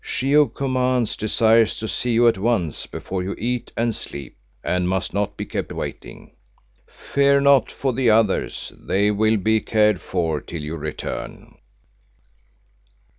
She who commands desires to see you at once before you eat and sleep, and must not be kept waiting. Fear not for the others, they will be cared for till you return."